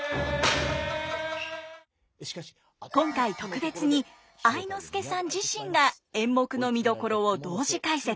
今回特別に愛之助さん自身が演目の見どころを同時解説。